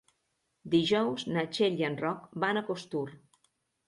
Dijous na Txell i en Roc van a Costur.